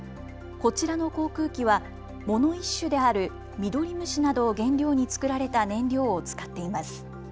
こちらの航空機は藻の一種であるミドリムシなどを原料に作られた燃料を使っています。